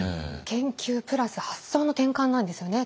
研究プラス発想の転換なんですよね。